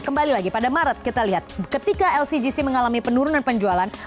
kembali lagi pada maret kita lihat ketika lcgc mengalami penurunan penjualan